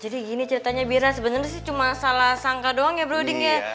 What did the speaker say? jadi gini ceritanya bira sebenernya sih cuma salah sangka doang ya broding ya